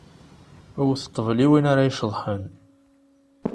Wwet ṭṭbel i win ar a iceḍḥen.